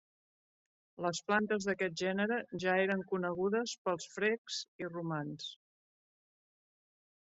Les plantes d'aquest gènere ja eren conegudes pels frecs i romans.